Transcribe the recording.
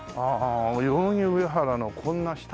代々木上原のこんな下に出た。